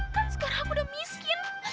kan sekarang aku udah miskin